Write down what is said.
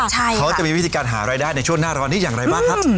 เขาจะมีวิธีการหารายได้ในช่วงหน้าร้อนนี้อย่างไรบ้างครับ